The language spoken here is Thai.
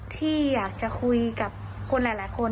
ที่อยากจะคุยกับคนหลายคน